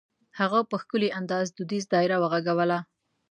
هغه په ښکلي انداز دودیزه دایره وغږوله.